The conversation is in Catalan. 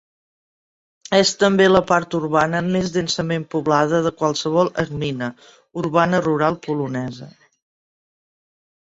És també la part urbana més densament poblada de qualsevol "gmina" urbana-rural polonesa.